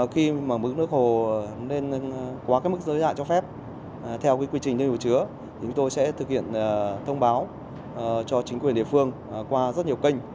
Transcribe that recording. khi mức nước hồ lên quá mức giới hạn cho phép theo quy trình thương hiệu chứa chúng tôi sẽ thực hiện thông báo cho chính quyền địa phương qua rất nhiều kênh